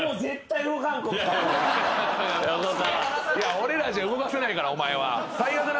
俺らじゃ動かせないからお前は。